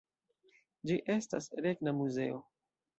Ĝi estas regna muzeo.